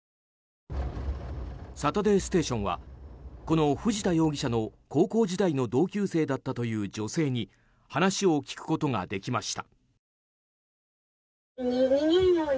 「サタデーステーション」はこの藤田容疑者の高校時代の同級生だったという女性に話を聞くことができました。